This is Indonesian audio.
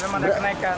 berapa itu bang